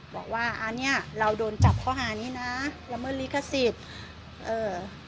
บอกว่าอ่าเนี้ยเราโดนจับเขาอ่านี่นะยำเมินลิขสิทธิ์